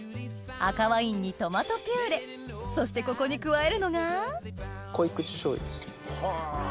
赤ワインにトマトピューレそしてここに加えるのが濃口醤油です。